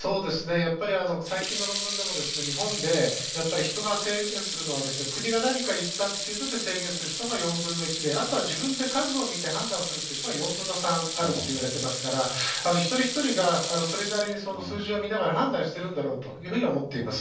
やっぱり最近の論文でも、日本でやっぱり人が制限するのは、国が何か言ったときは制限する人が４分の１で、あとは自分で数を見て判断するという人は４分の３あるといわれていますから、一人一人がそれなりにその数字を見ながら判断してるんだろうというふうに思っています。